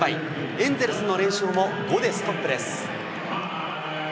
エンゼルスの連勝も５でストップです。